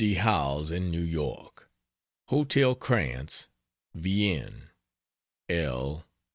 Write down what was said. D. Howells, in New York: HOTEL KRANTZ, WIEN, L.